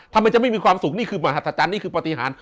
ทำไมจะไม่มีความสุขนี่คือมหัศจรรย์นี่คือปฏิหาร